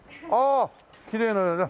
きれいな。